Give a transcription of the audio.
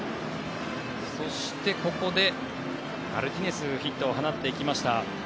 そして、ここでマルティネスがヒットを放っていきました。